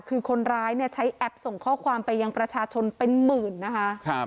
คือคนร้ายเนี่ยใช้แอปส่งข้อความไปยังประชาชนเป็นหมื่นนะคะ